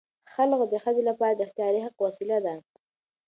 خلع د ښځې لپاره د اختیاري حق وسیله ده.